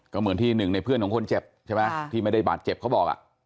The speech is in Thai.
ก็เหมือนที่หนึ่งในเพื่อนของคนเจ็บใช่ไหมที่ไม่ได้บาดเจ็บเขาบอก